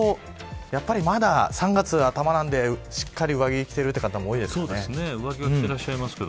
やっぱりまだ３月頭なんでしっかり上着を着ている方も多いですね。